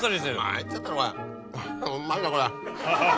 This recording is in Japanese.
参っちゃったなこれうまいなこれ。